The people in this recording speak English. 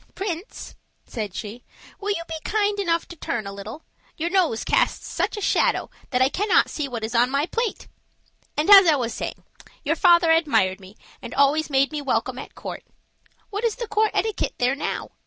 "Prince," said she, "will you be kind enough to turn a little? Your nose casts such a shadow that I cannot see what is on my plate. And, as I was saying, your father admired me and always made me welcome at court. What is the court etiquette there now?